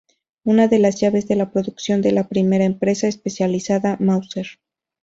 Una de las llaves de la producción de la primera empresa especializada Mauser.